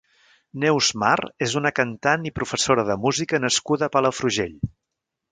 Neus Mar és una cantant i professora de música nascuda a Palafrugell.